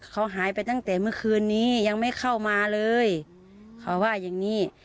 เขาหายไปตั้งแต่เมื่อคืนนี้ยังไม่เข้ามาเลยเขาว่าอย่างนี้